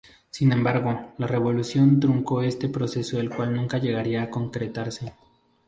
Sin embargo, la Revolución truncó este proceso el cual nunca llegaría a concretarse.